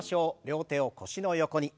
両手を腰の横に。